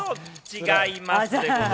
違います。